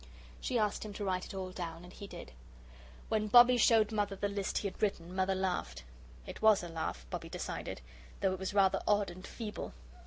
She asked him to write it all down, and he did. When Bobbie showed Mother the list he had written, Mother laughed. It WAS a laugh, Bobbie decided, though it was rather odd and feeble.